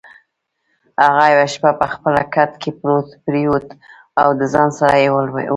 هغه یوه شپه په خپل کټ کې پرېوت او د ځان سره یې وویل: